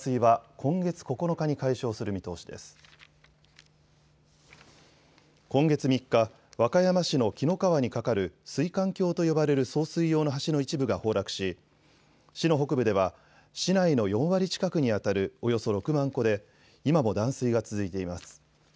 今月３日、和歌山市の紀の川に架かる水管橋と呼ばれる送水用の橋の一部が崩落し市の北部では市内の４割近くにあたるおよそ６万戸で今も断水が続いています。